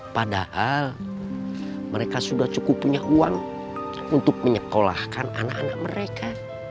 padahal mereka sudah cukup punya uang untuk menyekolahkan anak anak mereka